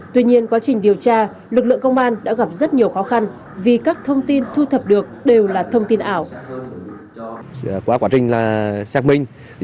tuy nhiên quá trình điều tra lực lượng công an đã gặp rất nhiều khó khăn vì các thông tin thu thập được đều là thông tin ảo